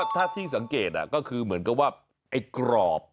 ถ้าที่สังเกตก็คือเหมือนกับว่าไอ้กรอบ